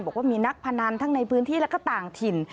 บอกว่ามีนักพนันทั้งในพื้นที่และก็ต่างถิ่น